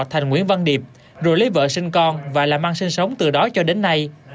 thành nguyễn văn điệp rồi lấy vợ sinh con và làm ăn sinh sống từ đó cho đến nay